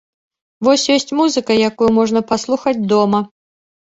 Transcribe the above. Вось, ёсць музыка, якую можна паслухаць дома.